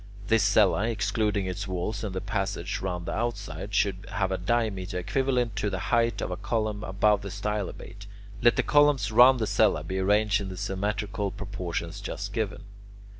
This cella, excluding its walls and the passage round the outside, should have a diameter equivalent to the height of a column above the stylobate. Let the columns round the cella be arranged in the symmetrical proportions just given.